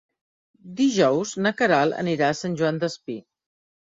Dijous na Queralt anirà a Sant Joan Despí.